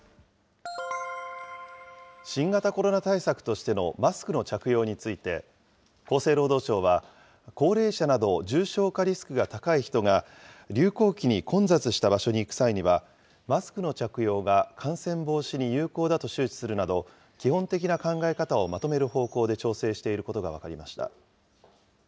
新型コロナ対策としてのマスクの着用について、厚生労働省は、高齢者など重症化リスクが高い人が、流行期に混雑した場所に行く際には、マスクの着用が感染防止に有効だと周知するなど、基本的な考え方をまとめる方向で調整していることが分かりました。